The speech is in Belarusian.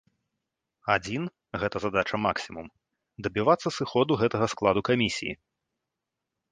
Адзін, гэта задача максімум, дабівацца сыходу гэтага складу камісіі.